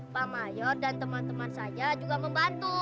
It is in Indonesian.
pak mayor dan teman teman saya juga membantu